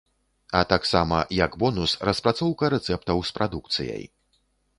А таксама, як бонус, распрацоўка рэцэптаў з прадукцыяй.